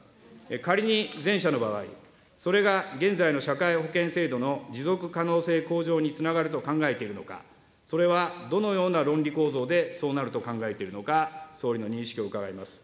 仮に前者の場合、それが現在の社会保険制度の持続可能性向上につながると考えているのか、それはどのような論理構造でそうなると考えているのか、総理の認識を伺います。